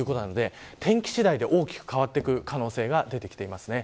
天気次第で大きく変わってくる可能性が出ています。